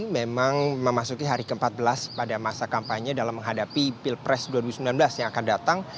memang memasuki hari ke empat belas pada masa kampanye dalam menghadapi pilpres dua ribu sembilan belas yang akan datang